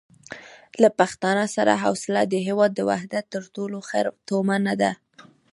له پښتانه سره حوصله د هېواد د وحدت تر ټولو ښه تومنه ده.